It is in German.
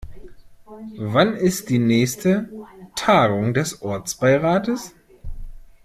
Wann ist die nächste Tagung des Ortsbeirates?